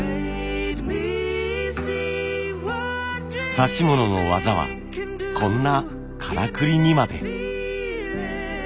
指物の技はこんなカラクリにまで。